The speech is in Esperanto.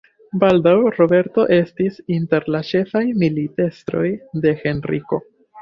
Baldaŭ Roberto estis inter la ĉefaj militestroj de Henriko.